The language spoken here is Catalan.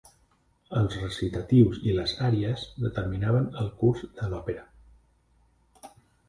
Els recitatius i les àries determinaven el curs de l'òpera.